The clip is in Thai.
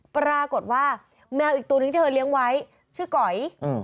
ปรากฏว่าแมวอีกตัวหนึ่งที่เธอเลี้ยงไว้ชื่อก๋อย